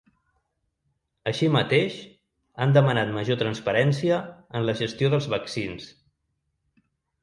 Així mateix, han demanat major transparència en la gestió dels vaccins.